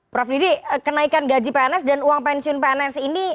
prof didi kenaikan gaji pns dan uang pensiun pns ini